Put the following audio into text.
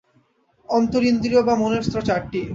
অন্তরিন্দ্রিয় বা মনের স্তর চারটি।